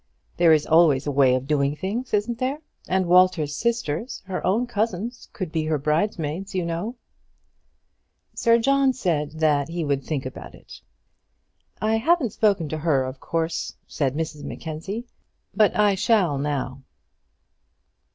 There is always a way of doing things; isn't there? And Walter's sisters, her own cousins, could be her bridesmaids, you know." Sir John said that he would think about it. "I haven't spoken to her, of course," said Mrs Mackenzie; "but I shall now."